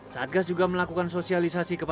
satgas juga melakukan sosialisasi